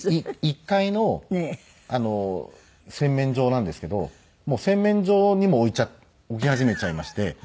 １階の洗面所なんですけどもう洗面所にも置き始めちゃいまして。